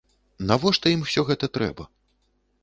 Навошта ім усё гэта трэба?